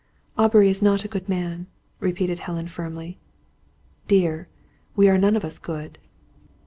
"Aubrey is not a good man," repeated Helen firmly. "Dear, we are none of us good."